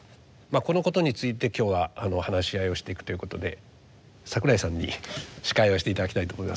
このことについて今日は話し合いをしていくということで櫻井さんに司会をしていただきたいと思います。